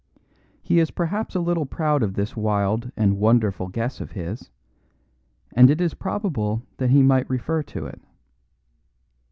He is perhaps a little proud of this wild and wonderful guess of his, and it is possible that he might refer to it.